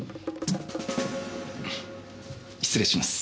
失礼します。